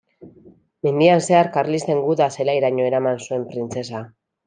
Mendian zehar, karlisten guda-zelairaino eraman zuen printzesa.